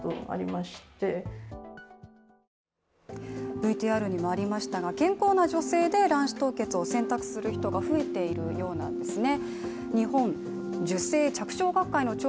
ＶＴＲにもありましたが、健康な女性で卵子凍結を選択する人が増えているようなんですね。